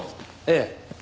ええ。